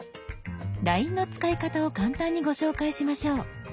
「ＬＩＮＥ」の使い方を簡単にご紹介しましょう。